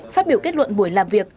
phát biểu kết luận buổi làm việc